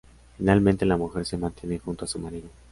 Finalmente la mujer se mantiene junto a su marido.